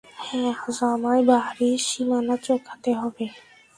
হ্যাঁ, আজ আমায় বাড়ির বীমা চোকাতে হবে।